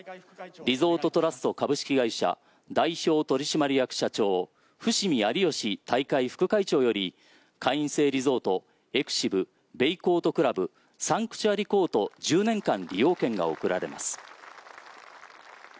リゾートトラスト株式会社代表取締役社長伏見有貴大会副会長より会員制リゾートエクシブ、ベイコート倶楽部サンクチュアリコート１０年間利用権が贈られます。